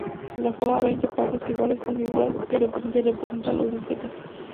Lo forman veinte partes iguales con figuras que representan los días del mes Azteca.